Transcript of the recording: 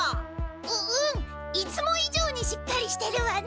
ううん！いつもいじょうにしっかりしてるわね！